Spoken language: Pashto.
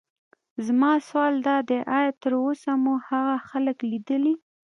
زما سوال دادی: ایا تراوسه مو هغه خلک لیدلي.